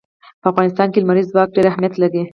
په افغانستان کې لمریز ځواک ډېر اهمیت لري.